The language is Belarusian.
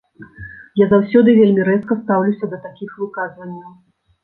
Я заўсёды вельмі рэзка стаўлюся да такіх выказванняў.